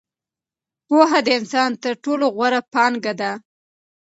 پوهه د انسان تر ټولو غوره پانګه ده.